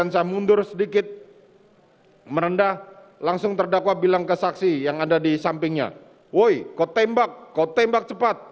saksi masukkan lagi di pinggir